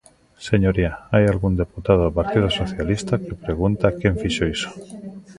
Señoría, hai algún deputado do Partido Socialista que pregunta quen fixo iso.